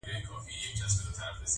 له کښې پورته د مرغیو ترانې وې-